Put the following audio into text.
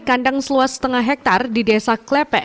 kandang seluas setengah hektare di desa klepek